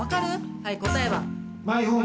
はい、答えは？